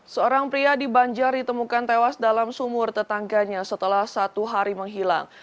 seorang pria di banjar ditemukan tewas dalam sumur tetangganya setelah satu hari menghilang